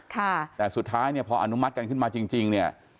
แต่สุดท้ายเนี่ยพออนุมัติกันขึ้นมาจริงจริงเนี่ย